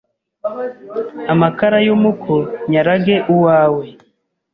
Amakara y’umuko nyarage uwawe ;